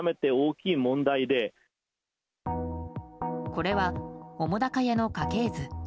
これは澤瀉屋の家系図。